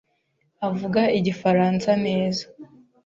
avuga igifaransa neza.